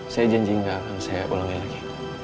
saya janji nggak akan saya ulangi lagi